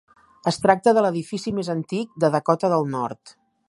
Es tracta de l'edifici més antic de Dakota del Nord.